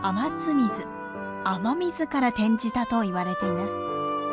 水天水から転じたと言われています。